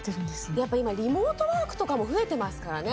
やっぱ今リモートワークとかも増えてますからね